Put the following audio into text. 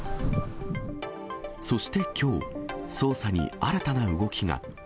そしてきょう、捜査に新たな動きが。